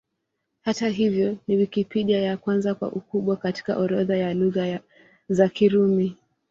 Hata hivyo, ni Wikipedia ya kwanza kwa ukubwa katika orodha ya Lugha za Kirumi.